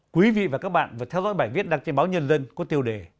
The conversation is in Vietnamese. quý vị và các bạn vừa theo dõi bài viết đăng trên báo nhân dân có tiêu đề